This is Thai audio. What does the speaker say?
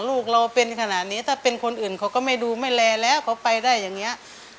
ลูกเราเป็นขนาดนี้ถ้าเป็นคนอื่นเขาก็ไม่ดูไม่แลแล้วเขาไปได้อย่างนี้